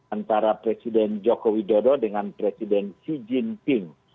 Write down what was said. antara presiden jokowi dodo dengan presiden xi jinping